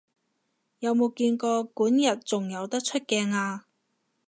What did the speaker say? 有冇見過管軼仲有得出鏡啊？